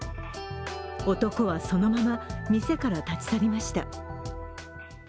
男は、そのまま店から立ち去りました。